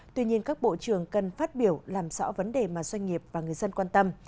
tuy nhiên các bộ trưởng cần phát biểu làm rõ vấn đề mà doanh nghiệp và người dân quan tâm